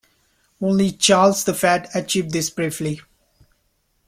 Only Charles the Fat achieved this briefly.